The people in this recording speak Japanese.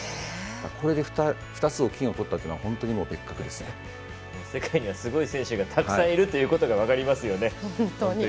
これで２つの金を取ったというのは世界にはすごい選手がたくさんいるということが分かりますよね。